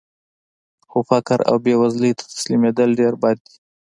خو فقر او بېوزلۍ ته تسلیمېدل ډېر بد دي